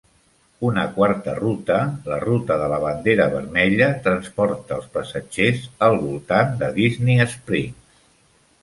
Una quarta ruta, la ruta de la bandera vermella, transporta els passatgers al voltant de Disney Springs.